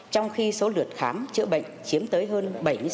trong khi số lượt khám chữa bệnh chiếm tới hơn bảy mươi sáu